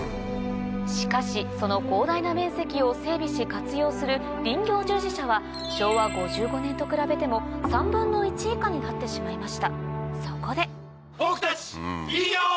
しかしその広大な面積を整備し活用する林業従事者は昭和５５年と比べてもになってしまいました